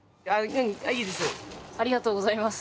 ありがとうございます。